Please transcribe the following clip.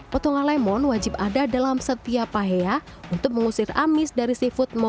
potongan lemon wajib ada dalam setiap paheya untuk mengusir amis dari seafood mau pake